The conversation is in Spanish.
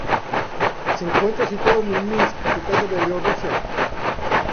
Se encuentra situado en Minsk, capital de Bielorrusia.